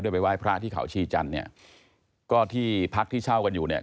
ไปไหว้พระที่เขาชีจันทร์เนี่ยก็ที่พักที่เช่ากันอยู่เนี่ย